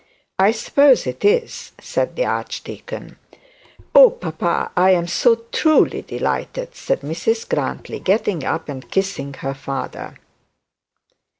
'I suppose it is,' said the archdeacon. 'Oh, papa, I am so truly delighted,' said Mrs Grantly, getting up and kissing her father.